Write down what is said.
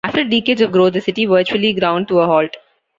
After decades of growth, the city virtually ground to a halt.